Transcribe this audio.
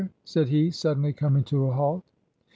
said he, suddenly coming to a halt.